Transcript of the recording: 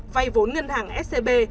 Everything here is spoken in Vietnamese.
vay vốn ngân hàng scb